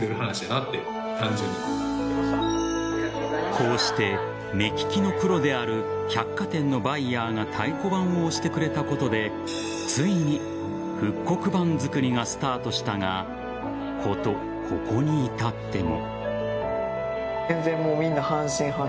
こうして、目利きのプロである百貨店のバイヤーが太鼓判を押してくれたことでついに復刻版作りがスタートしたがこと、ここに至っても。